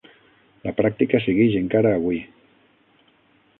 La pràctica segueix encara avui.